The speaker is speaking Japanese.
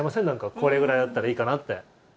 これぐらいだったらいいかなって。